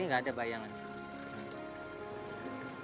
ini tidak ada bayangan